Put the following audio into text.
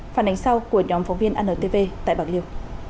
phản ánh sau của nhóm phóng viên antv tại bạc liêu